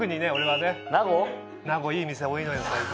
名護いい店多いのよ最近。